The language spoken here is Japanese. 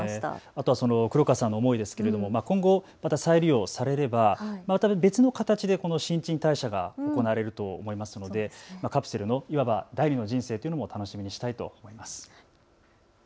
あとは黒川さんの思いですが今後再利用されれば、また別の形で新陳代謝が行われると思うのでカプセルのいわば第２の人生というのを楽しみにしたいと思います。